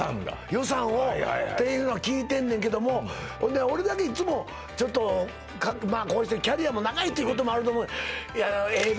予算をっていうのは聞いてんねんけどもほんで俺だけいっつもちょっとこうしてキャリアも長いっていうこともあると思うええ